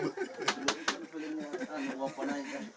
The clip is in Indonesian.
paku berkarat dia sebut